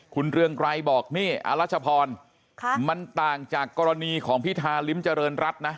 คุณเรืองไกรบอกนี่อรัชพรมันต่างจากกรณีของพิธาริมเจริญรัฐนะ